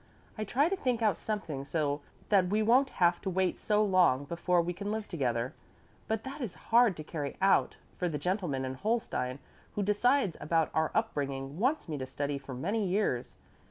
I try to think out something so that we won't have to wait so long before we can live together. But that is hard to carry out, for the gentleman in Holstein who decides about our upbringing wants me to study for many years.